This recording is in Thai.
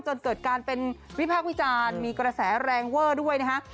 จนเกิดการเป็นวิพากษ์วิจารณ์มีกระแสแรงเวอร์ด้วยนะฮะ